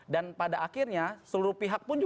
dan pada akhirnya seluruh perjalanan itu